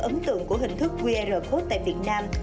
ấn tượng của hình thức qr code tại việt nam